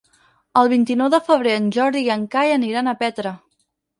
El vint-i-nou de febrer en Jordi i en Cai aniran a Petra.